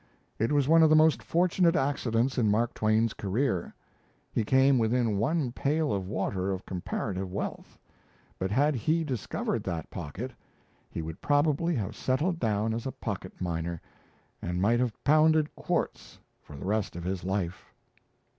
It was one of the most fortunate accidents in Mark Twain's career. He came within one pail of water of comparative wealth; but had he discovered that pocket, he would probably have settled down as a pocketminer, and might have pounded quartz for the rest of his life.